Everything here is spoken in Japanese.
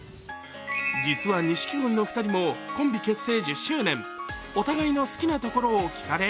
実は錦鯉の２人もコンビ結成１０周年お互いの好きなところを聞かれ